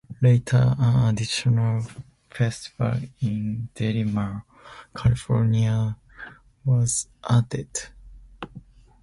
Later, an additional festival in Del Mar, California was added.